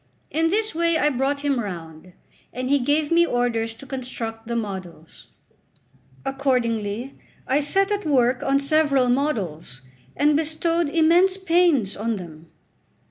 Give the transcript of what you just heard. In this way I brought him round, and he gave me orders to construct the models. Accordingly I set at work on several models, and bestowed immense pains on them.